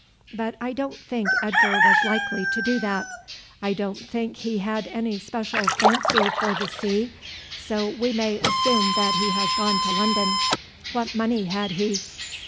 But I don't think Edgar was likely to do that. I don't think he had any special fancy for the sea; so we may assume that he has gone to London. What money had he?"